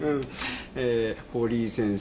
堀井先生。